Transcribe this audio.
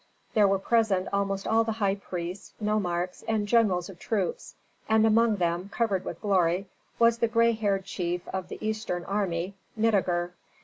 There were present almost all the high priests, nomarchs, and generals of troops, and among them, covered with glory, was the gray haired chief of the eastern army, Nitager.